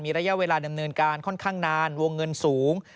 ระยะเวลาดำเนินการค่อนข้างนานวงเงินสูง